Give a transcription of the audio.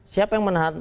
siapa yang menahan